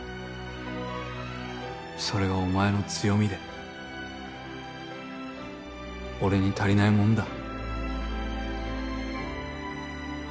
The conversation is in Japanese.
それがお前の強みで俺に足りないものだ。